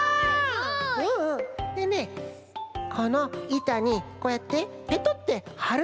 すごい！でねこのいたにこうやってペトッてはるといいんだ。